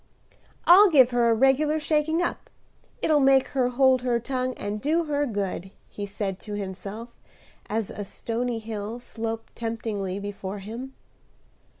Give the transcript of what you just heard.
"I'll give her a regular shaking up; it'll make her hold her tongue and do her good," he said to himself, as a stony hill sloped temptingly before him.